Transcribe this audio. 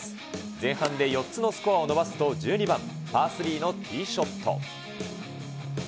前半で４つのスコアを伸ばすと１２番パー３のティーショット。